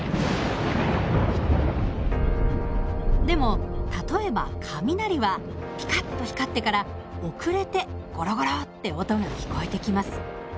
でも例えば雷はピカッと光ってから遅れてゴロゴロって音が聞こえてきます。